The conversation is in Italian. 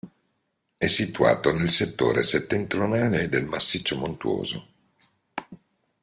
È situato nel settore settentrionale del massiccio montuoso.